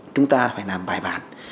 chúng ta phải làm bài bản